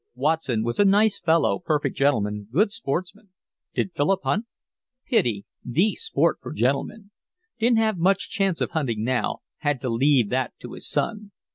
Watson was a nice fellow, perfect gentleman, good sportsman—did Philip hunt? Pity, THE sport for gentlemen. Didn't have much chance of hunting now, had to leave that to his son.